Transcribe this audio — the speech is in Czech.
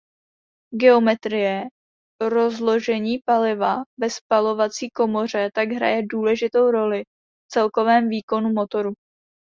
Geometrie rozložení paliva ve spalovací komoře tak hraje důležitou roli v celkovém výkonu motoru.